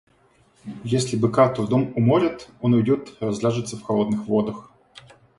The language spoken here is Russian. Если быка трудом уморят — он уйдет, разляжется в холодных водах.